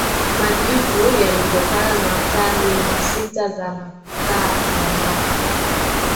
majivu yaliyotokana na tani mia sita za makaa ya mawe